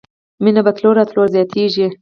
مينه په تلو راتلو زياتېږي.